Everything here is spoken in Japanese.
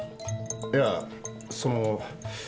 いやあその。